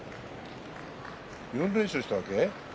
４連勝したわけ？